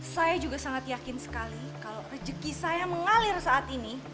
saya juga sangat yakin sekali kalau rezeki saya mengalir saat ini